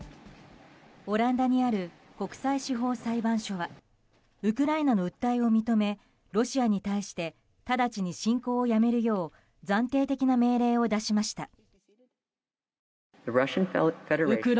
オランダにある国際司法裁判所はウクライナの訴えを認めロシアに対して直ちに侵攻をやめるよう暫定的な命令を出しました。